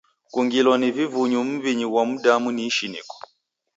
Kungilwa ni vivunyu muw'inyi ghwa mdamu ni ishiniko.